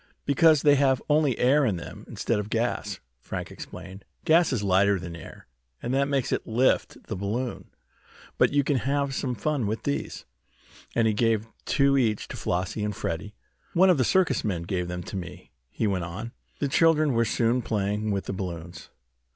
"Because they have only air in them, instead of gas," Frank explained. "Gas is lighter than air, and that makes it lift the balloon. But you can have some fun with these," and he gave two each to Flossie and Freddie. "One of the circus men gave them to me," he went on. The children were soon playing with the balloons.